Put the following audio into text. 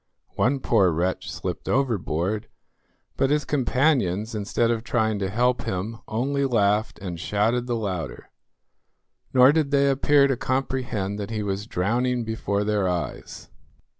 One poor wretch slipped overboard, but his companions, instead of trying to help him, only laughed and shouted the louder, nor did they appear to comprehend that he was drowning before their eyes.